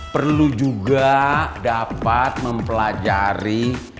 perlu juga dapat mempelajari